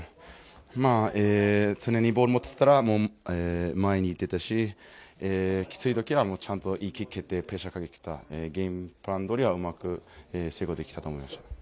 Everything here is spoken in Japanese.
常にボール持ってたら前にいってたし、きついときはちゃんといいプレッシャーかけてたゲームはうまく成功できたと思いました。